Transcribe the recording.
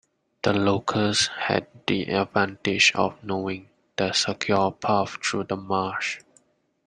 The locals had the advantage of knowing the secure path through the marsh.